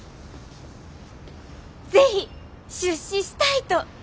是非出資したいと！